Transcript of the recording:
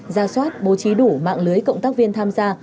ra soát bố trí đủ mạng lưới cộng tác viên tham gia